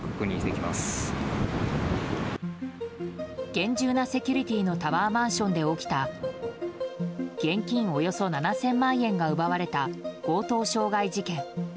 厳重なセキュリティーのタワーマンションで起きた現金およそ７０００万円が奪われた強盗傷害事件。